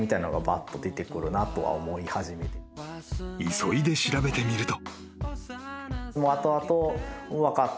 ［急いで調べてみると］